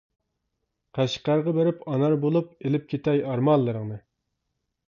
قەشقەرگە بېرىپ ئانار بولۇپ، ئېلىپ كېتەي ئارمانلىرىڭنى.